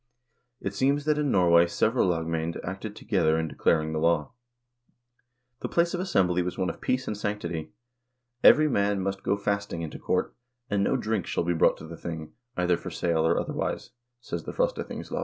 It seems that in Nor way several lagmand acted together in declaring the law. The place of assembly was one of peace and sanctity. "Every man must go fasting into court, and no drink shall be brought to the thing, either for sale or otherwise," says the "Frostathingslov."